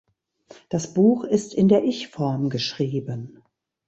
Das Buch ist in der Ich-Form geschrieben.